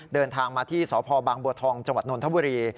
เดินทางมาที่สพบางบัวทองจังหวัดนทบุรี